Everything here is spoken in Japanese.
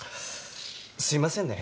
すいませんね